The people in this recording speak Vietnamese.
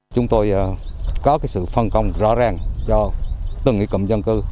chúng tôi có sự phân công rõ ràng cho từng nghị cộng dân cư